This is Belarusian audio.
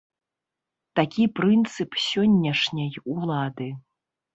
Такі прынцып сённяшняй улады.